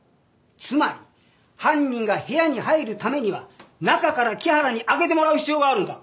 つまり犯人が部屋に入るためには中から木原に開けてもらう必要があるんだ。